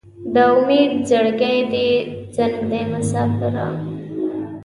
د امید زړګی دې زنګ دی مساپره